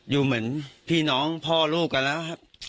อยู่เหมือนพี่น้องพ่อลูกกันแล้วครับ